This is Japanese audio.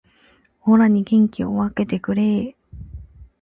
オラに元気を分けてくれー